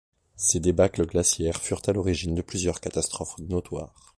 Ces débâcles glaciaires furent à l'origine de plusieurs catastrophes notoires.